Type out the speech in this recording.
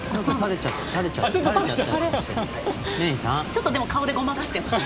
ちょっとでも顔でごまかしてます。